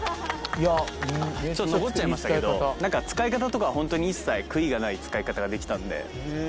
残っちゃいましたけど使い方とかはホントに一切悔いがない使い方ができたんで。